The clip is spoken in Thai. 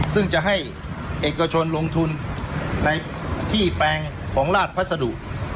ซึ่งจะให้เอกชนลงทุนในที่แปลงของราชพัสดุ